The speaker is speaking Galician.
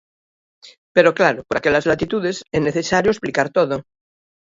Pero claro, por aquelas latitudes é necesario explicar todo.